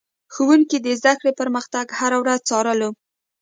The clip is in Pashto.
ښوونکي د زده کړې پرمختګ هره ورځ څارلو.